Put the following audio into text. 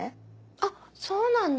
あっそうなんだ。